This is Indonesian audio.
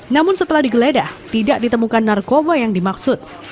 namun setelah digeledah tidak ditemukan narkoba yang dimaksud